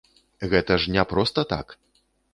Гэта ж не проста так!